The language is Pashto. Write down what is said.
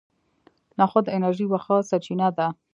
نخود د انرژۍ یوه ښه سرچینه ده.